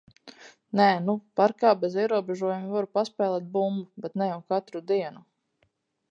Nē, nu parkā bez ierobežojuma varu paspēlēt bumbu, bet ne jau katru dienu.